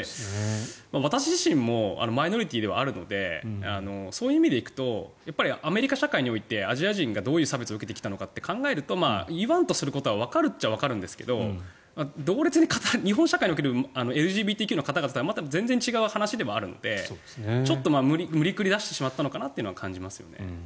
私自身もマイノリティーではあるのでそういう意味で行くとアメリカ社会においてアジア人がどういう差別を受けてきたか考えると言わんとすることはわかるっちゃわかるんですが同列に語る日本社会におけるＬＧＢＴＱの方々とはまた全然違う話ではあるのでちょっと無理くり出してしまったのかなという感じはしますね。